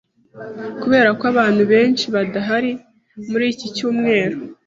Kubera ko abantu benshi badahari muri iki cyumweru,